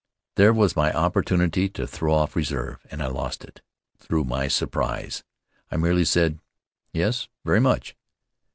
There was my opportunity to throw off reserve and I lost it through my surprise. I merely said, "Yes, very much."